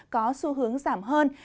có xu hướng giảm hơn